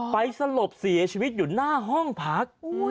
สลบเสียชีวิตอยู่หน้าห้องพัก